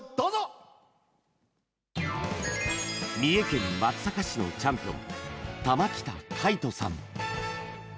三重県松阪市のチャンピオン玉北海斗さん。